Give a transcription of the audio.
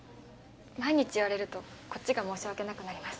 毎日言われるとこっちが申し訳なくなります。